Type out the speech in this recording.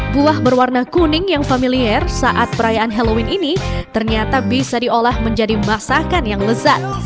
buah berwarna kuning yang familiar saat perayaan halloween ini ternyata bisa diolah menjadi masakan yang lezat